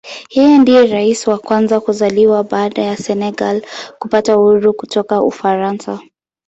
Yeye ndiye Rais wa kwanza kuzaliwa baada ya Senegal kupata uhuru kutoka Ufaransa.